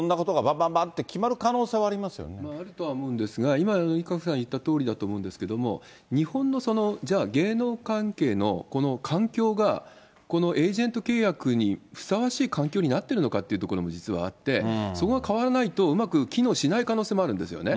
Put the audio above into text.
ばんばんって決まる可能性はああるとは思うんですが、今のＲＩＫＡＣＯさん言ったとおりだと思うんですが、日本のじゃあ、芸能関係のこの環境が、このエージェント契約にふさわしい環境になっているのかというところも実はあって、そこが変わらないとうまく機能しない可能性もあるんですよね。